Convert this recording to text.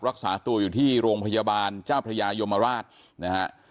รักษาตัวอยู่ที่โรงพยาบาลเจ้าพระยายมราชนะฮะ